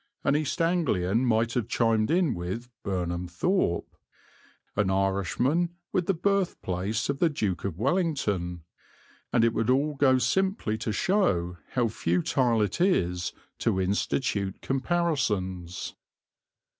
An East Anglian might have chimed in with Burnham Thorpe; an Irishman with the birthplace of the Duke of Wellington; and it would all go simply to show how futile it is to institute comparisons.